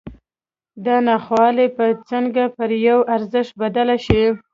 دا ناخواله به څنګه پر یوه ارزښت بدله شي